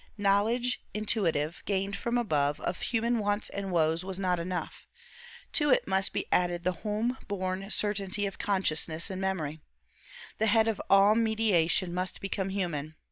Knowledge intuitive, gained from above, of human wants and woes was not enough to it must be added the home born certainty of consciousness and memory; the Head of all mediation must become human.